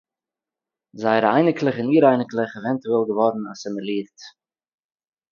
זייערע אייניקלעך און אור-אייניקלעך עווענטועל געוואָרן אַסימילירט